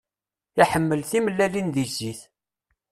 Iḥemmel timellalin di zzit.